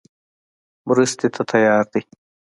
مرستې ته تیار دی.